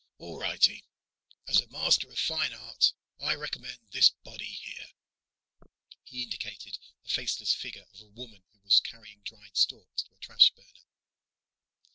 "All righty. As a master of fine art, I recommend this body here." He indicated a faceless figure of a woman who was carrying dried stalks to a trash burner.